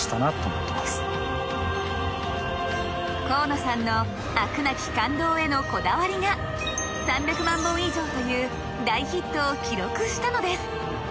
河野さんの飽くなき感動へのこだわりが３００万本以上という大ヒットを記録したのです。